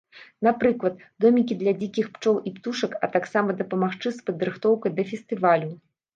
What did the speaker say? Напрыклад, домікі для дзікіх пчол і птушак, а таксама дапамагчы з падрыхтоўкай да фестывалю.